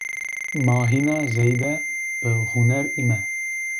Ma hîna zêde bi huner îme